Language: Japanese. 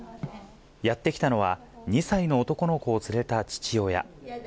やって来たのは、２歳の男の子を連れた父親。